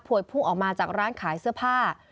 พุ่งออกมาจากร้านขายเสื้อผ้า